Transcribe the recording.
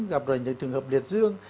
gặp rồi những trường hợp liệt dương